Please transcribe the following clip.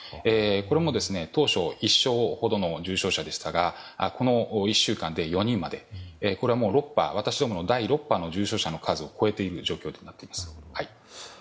これも、当初、１床ほどの重症者でしたがこの１週間で４人までこれは第６波の重症者の数を超えている状況となっております。